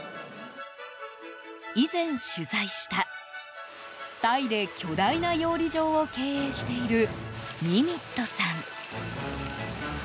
以前、取材したタイで巨大な養鯉場を経営しているニミットさん。